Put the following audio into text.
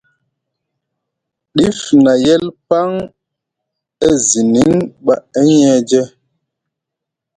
Dif na yel paŋ e ziniŋ ɓa Ahiyeje.